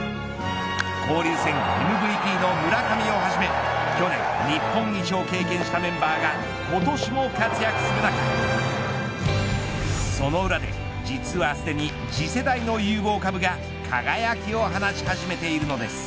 交流戦ＭＶＰの村上をはじめ去年日本一を経験したメンバーが今年も活躍する中その裏で、実はすでに次世代の有望株が輝きを放ち始めているのです。